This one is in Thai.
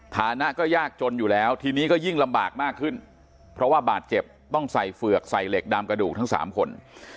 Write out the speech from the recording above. ฐานะก็ยากจนอยู่แล้วทีนี้ก็ยิ่งลำบากมากขึ้นเพราะว่าบาดเจ็บต้องใส่เฝือกใส่เหล็กดามกระดูกทั้ง๓คน